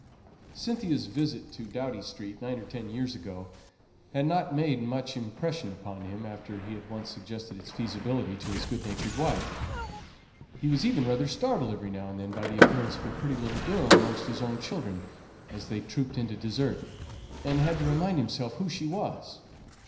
Cynthia's visit to Doughty Street nine or ten years ago had not made much impression upon him after he had once suggested its feasibility to his good natured wife. He was even rather startled every now and then by the appearance of a pretty little girl amongst his own children, as they trooped in to dessert, and had to remind himself who she was.